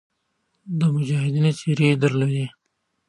د مجاهدینو څېرې یې درلودې.